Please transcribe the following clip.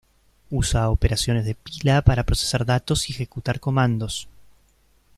Usa operaciones de pila para procesar datos y ejecutar comandos.